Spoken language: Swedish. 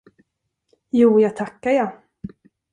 Jo, jag tackar, jag!